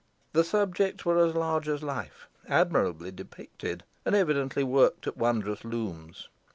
The subjects were as large as life, admirably depicted, and evidently worked at wondrous looms.